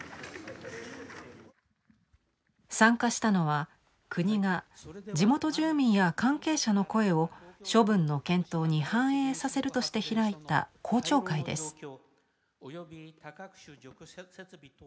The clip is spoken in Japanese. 参加したのは国が地元住民や関係者の声を処分の検討に反映させるとして開いた公聴会です。